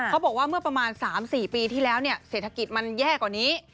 เขาบอกว่าเมื่อประมาณ๓๔ปีที่แล้วเศรษฐกิจมันแย่กว่านี้